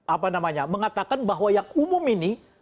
apa namanya mengatakan bahwa yang umum ini